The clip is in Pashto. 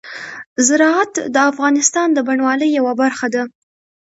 زراعت د افغانستان د بڼوالۍ یوه برخه ده.